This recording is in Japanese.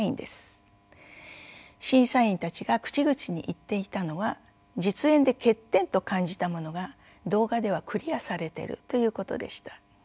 審査員たちが口々に言っていたのは実演で欠点と感じたものが動画ではクリアされているということでした。